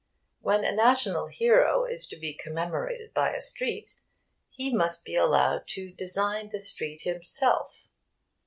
When a national hero is to be commemorated by a street, he must be allowed to design the street himself.